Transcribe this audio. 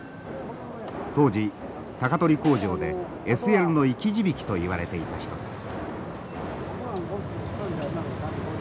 当時鷹取工場でＳＬの生き字引といわれていた人です。